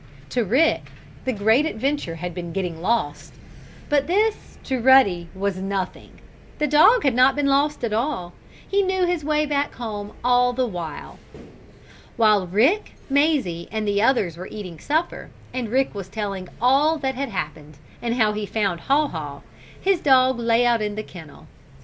To Rick the great adventure had been getting lost, but this, to Ruddy, was nothing. The dog had not been lost at all. He knew his way back home all the while. While Rick, Mazie and the others were eating supper, and Rick was telling all that had happened, and how he found Haw Haw, his dog lay out in the kennel.